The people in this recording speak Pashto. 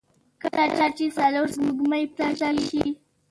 کله چې څلور سپوږمۍ پوره شي.